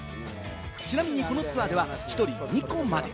ちなみにこのツアーでは１人２個まで。